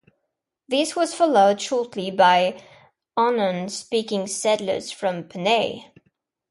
This was followed shortly by Onhan-speaking settlers from Panay.